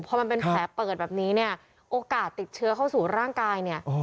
พอมันเป็นแผลเปิดแบบนี้เนี่ยโอกาสติดเชื้อเข้าสู่ร่างกายเนี่ย